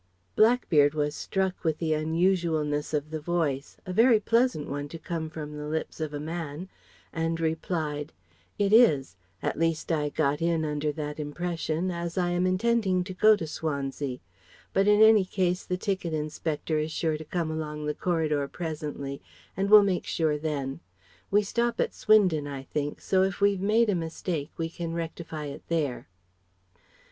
Blackbeard was struck with the unusualness of the voice a very pleasant one to come from the lips of a man and replied: "It is; at least I got in under that impression as I am intending to go to Swansea; but in any case the ticket inspector is sure to come along the corridor presently and we'll make sure then. We stop at Swindon, I think, so if we've made a mistake we can rectify it there."